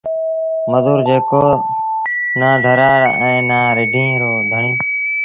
مزوٚر جيڪو نا ڌرآڙ اهي نا رڍينٚ رو ڌڻيٚ